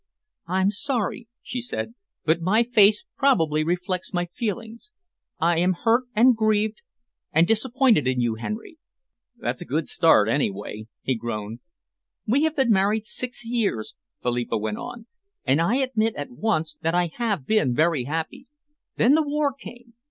"I'm sorry," she said, "but my face probably reflects my feelings. I am hurt and grieved and disappointed in you, Henry." "That's a good start, anyway," he groaned. "We have been married six years," Philippa went on, "and I admit at once that I have been very happy. Then the war came.